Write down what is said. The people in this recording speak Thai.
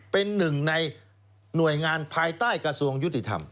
เป็นหนึ่งในหน่วยงานภายใต้กระทรวงยุติธรรม